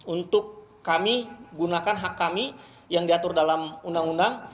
untuk kami gunakan hak kami yang diatur dalam undang undang